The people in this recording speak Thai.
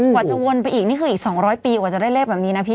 กว่าจะวนไปอีกนี่คืออีก๒๐๐ปีกว่าจะได้เลขแบบนี้นะพี่